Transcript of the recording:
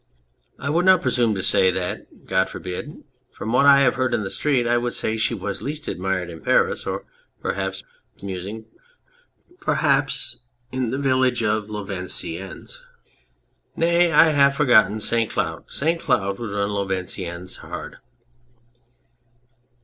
I would not presume to say that ! God forbid ' From what I have heard in the street I would say she was least admired in Paris, or, perhaps (musing) perhaps in the village of Louveciennes ... nay, I have for gotten St. Cloud. St. Cloud would run Louveciennes hard.